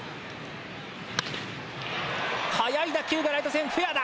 速い打球でライト線フェアだ。